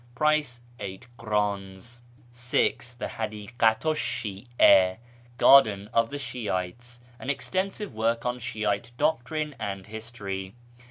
Price 8 krdns. 6. The Eadikatu'sh Shia (" Garden of the Shi'ites "), an extensive work on Shi^ite doctrine and history.